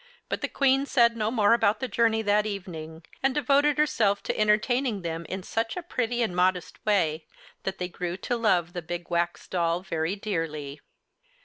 But the Queen said no more about the journey that evening, and devoted herself to entertaining them in such a pretty and modest way that they grew to love the big Wax Doll very dearly.